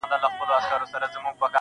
دا ستا په ياد كي بابولاله وايم.